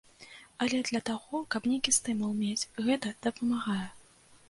Але для таго, каб нейкі стымул мець, гэта дапамагае.